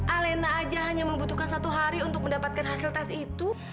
alena aja hanya membutuhkan satu hari untuk mendapatkan hasil tes itu